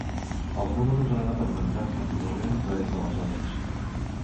Els números han anat augmentant contínuament des d’aleshores.